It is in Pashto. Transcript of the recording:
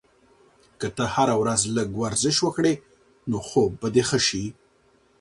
که ته هره ورځ لږ ورزش وکړې، نو خوب به دې ښه شي.